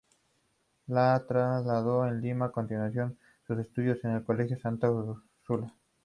Se trasladó a Lima, continuando sus estudios en el Colegio Santa Úrsula.